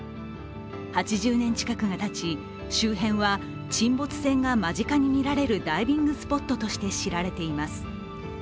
８０年近くがたち、周辺は沈没船が間近に見られるダイビングスポットとして知られています。